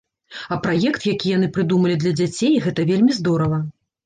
А праект, які яны прыдумалі для дзяцей, гэта вельмі здорава.